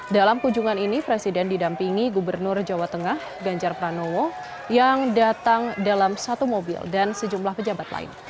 dalam kunjungan ini presiden didampingi gubernur jawa tengah ganjar pranowo yang datang dalam satu mobil dan sejumlah pejabat lain